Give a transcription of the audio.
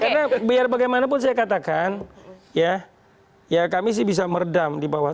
karena biar bagaimanapun saya katakan ya kami sih bisa meredam di bawah